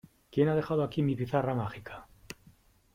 ¿ Quién ha dejado aquí mi pizarra mágica?